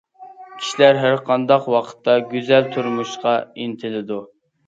كىشىلەر ھەرقانداق ۋاقىتتا گۈزەل تۇرمۇشقا ئىنتىلىدۇ.